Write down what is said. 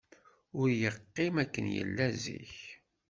Ur yeqqim akken yella zik.